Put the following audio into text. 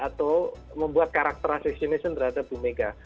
atau membuat karakteristik jenis terhadap bumega